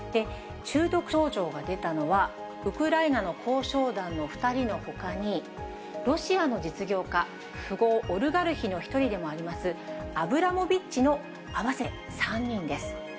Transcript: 中毒症状が出たのは、ウクライナの交渉団の２人のほかに、ロシアの実業家、富豪オリガルヒの一人であります、アブラモビッチの合わせて３人です。